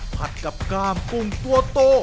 ผัดกับกล้ามกุ้งตัวโต